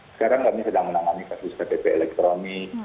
sekarang kami sedang menangani kasus ktp elektronik